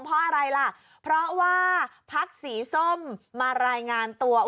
เพราะอะไรล่ะพอว่าภักดิ์สีส้มมารายงานตัว